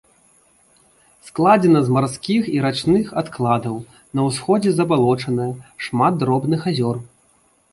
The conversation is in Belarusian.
Складзена з марскіх і рачных адкладаў, на ўсходзе забалочаная, шмат дробных азёр.